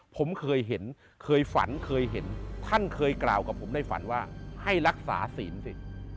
ผมเคยเห็นเคยฝันเคยเห็นท่านเคยกล่าวกับผมในฝันว่าให้รักษาศีลสิ